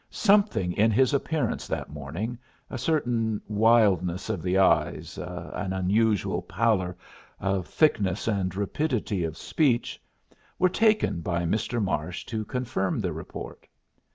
Something in his appearance that morning a certain wildness of the eyes, an unusual pallor, a thickness and rapidity of speech were taken by Mr. Marsh to confirm the report.